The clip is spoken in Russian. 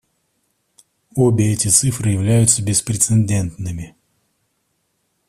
Обе эти цифры являются беспрецедентными.